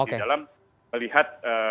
di dalam melihat